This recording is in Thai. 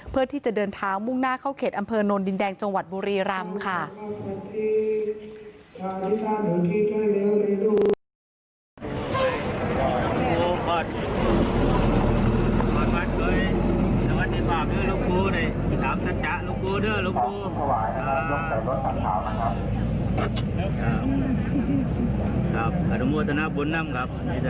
เพื่อที่จะเดินทางมุ่งหน้าเข้าเขตอำเภอนนดินแดงจังหวัดบุรีรำค่ะ